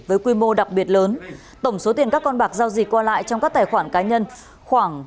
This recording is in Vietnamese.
với quy mô đặc biệt lớn tổng số tiền các con bạc giao dịch qua lại trong các tài khoản cá nhân khoảng